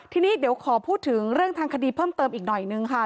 ทีนี้เดี๋ยวขอพูดถึงเรื่องทางคดีเพิ่มเติมอีกหน่อยนึงค่ะ